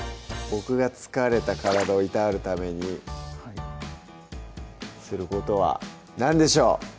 僕が疲れた体を労わるためにすることは何でしょう？